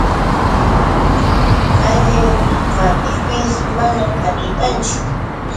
Alliq makipis manan atipanchu.